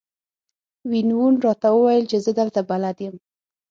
وین وون راته وویل چې زه دلته بلد یم.